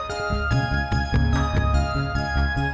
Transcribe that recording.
kita selalu selalu sering kes aoe